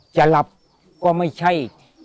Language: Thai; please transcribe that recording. จะหลับก็ไม่ใช่